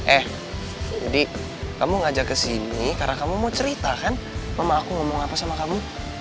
eh jadi kamu ngajak kesini karena kamu mau cerita kan mama aku ngomong apa sama kamu